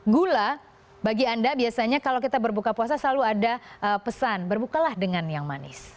gula bagi anda biasanya kalau kita berbuka puasa selalu ada pesan berbukalah dengan yang manis